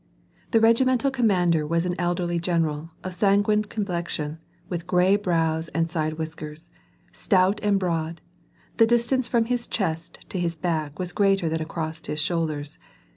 The regimental commander was an elderly general, of san guine complexion, with gray brows and side whiskers, stout and broad ; the distance from his chest to his back was greater than across his shoulders.